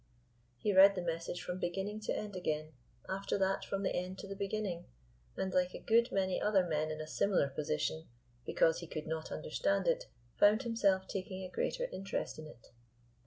He read the message from beginning to end again, after that from the end to the beginning, and, like a good many other men in a similar position, because he could not understand it, found himself taking a greater interest in it.